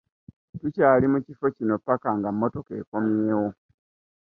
Tukyali mu kiffo kino paka nga emmotoka ekomyewo.